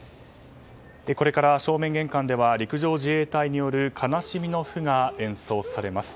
これから正面玄関では陸上自衛隊による「悲しみの譜」が演奏されます。